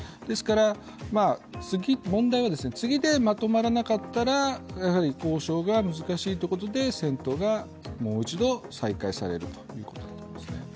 ですから、問題は次でまとまらなかったら交渉が難しいということで戦闘がもう一度再開されるということなんですね。